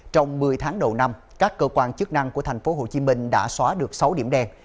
trong một mươi tháng đầu năm các cơ quan chức năng của tp hcm đã xóa được sáu điểm đen